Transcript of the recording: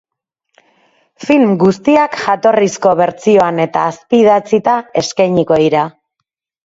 Film guztiak jatorrizko bertsioan eta azpi idatzita eskainiko dira.